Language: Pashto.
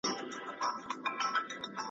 هغه د شیدو په څښلو بوخت دی.